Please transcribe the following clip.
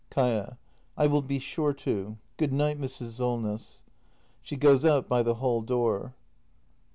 Kaia. I will be sure to. Good night, Mrs. Solness. [She goes out by the hall door.